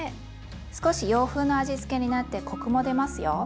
少し洋風の味付けになってコクも出ますよ。